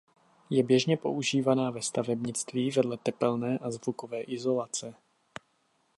Je běžně používaná ve stavebnictví vedle tepelné a zvukové izolace.